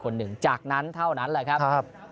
หนึ่งจากนั้นเท่านั้นแหละครับ